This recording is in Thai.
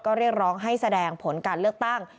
ก็เรียกร้องให้แสดงผลการเลือกตั้ง